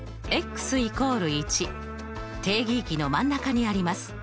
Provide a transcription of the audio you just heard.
１定義域の真ん中にあります。